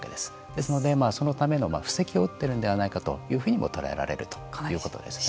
ですので、そのための布石を打っているんではないかと捉えられるということですね。